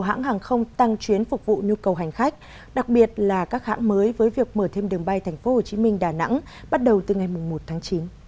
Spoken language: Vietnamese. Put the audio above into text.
các hãng hàng không tăng chuyến phục vụ nhu cầu hành khách đặc biệt là các hãng mới với việc mở thêm đường bay tp hcm đà nẵng bắt đầu từ ngày một tháng chín